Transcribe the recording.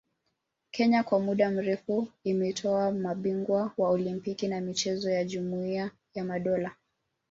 Kenya kwa muda mrefu imetoa mabingwa wa Olimpiki na michezo ya Jumuia ya Madola